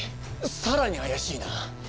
さらにあやしいな。